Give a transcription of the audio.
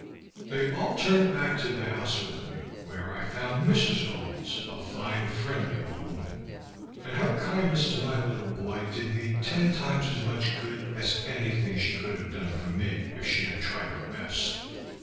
They all turned back to the house with me, where I found Mrs. Owens, a fine, friendly old woman; and her kindness to my little boy did me ten times as much good as any thing she could have done for me, if she had tried her best.